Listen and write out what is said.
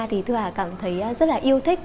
thì thu hà cảm thấy rất là yêu thích